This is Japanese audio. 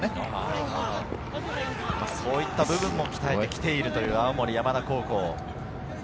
そういった部分も鍛えてきているという青森山田高校。